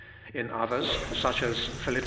In others (such as Phil. ii.